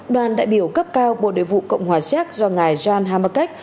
đoàn đại biểu cấp cao bộ đề vụ cộng hòa sát do ngài gian hamakách